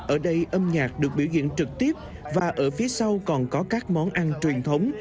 ở đây âm nhạc được biểu diễn trực tiếp và ở phía sau còn có các món ăn truyền thống